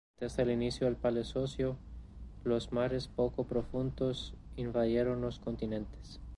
Desde el inicio del Paleozoico, los mares poco profundos invadieron los continentes.